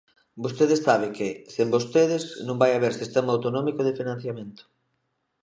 Vostede sabe que, sen vostedes, non vai haber sistema autonómico de financiamento.